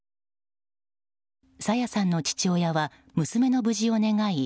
朝芽さんの父親は娘の無事を願い